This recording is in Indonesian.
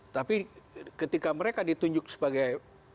tapi ketika mereka ditunjuk sebagai